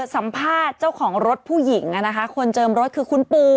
สัมภาษณ์เจ้าของรถผู้หญิงคนเจิมรถคือคุณปู